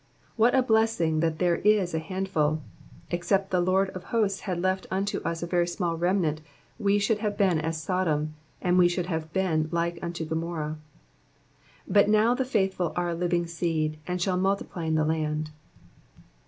What a bless ing that there is a handful ;'' except the Lord of hosts had left unto us a very small remnant we should have been as Sodum, and we should have been like unto Gomorrah ;'* but now the faithful are a living seed, and shall multiply in the land.